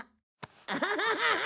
アハハハハ！